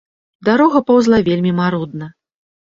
Дарога паўзла вельмі марудна.